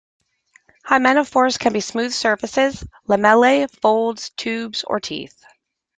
Hymenophores can be smooth surfaces, lamellae, folds, tubes, or teeth.